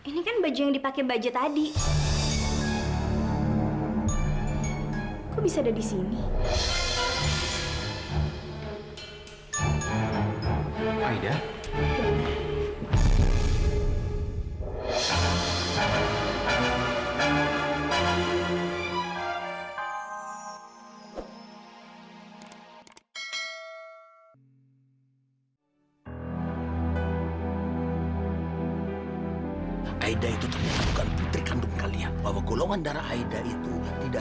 sampai jumpa di video selanjutnya